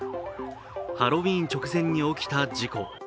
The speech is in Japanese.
ハロウィーン直前に起きた事故。